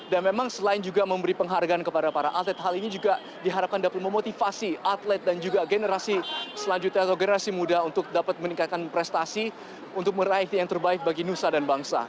dan memang selain juga memberi penghargaan kepada para atlet hal ini juga diharapkan dapat memotivasi atlet dan juga generasi selanjutnya atau generasi muda untuk dapat meningkatkan prestasi untuk meraih yang terbaik bagi nusa dan bangsa